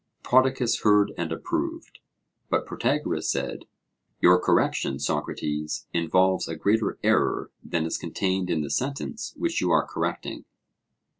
Prodicus heard and approved; but Protagoras said: Your correction, Socrates, involves a greater error than is contained in the sentence which you are correcting.